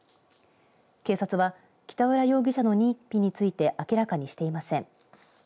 警察は北浦容疑者の認否について明らかにしていません。